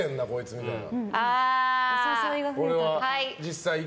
みたいな。